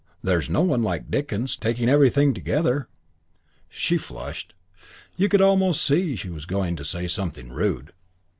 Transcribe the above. There's no one like Dickens, taking everything together." She flushed. You could almost see she was going to say something rude.